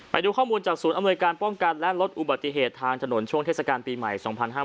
ไปดูข้อมูลจากศูนย์อำนวยการป้องกันและลดอุบัติเหตุทางถนนช่วงเทศกาลปีใหม่๒๕๕๙